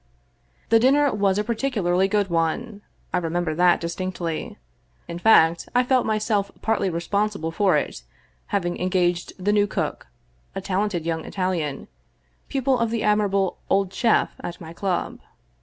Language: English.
The dinner was a particularly good one, I remember that distinctly. In fact, I felt myself partly responsible for it, having engaged the new cook — a talented young Italian, pupil of the admirable old chef at my club.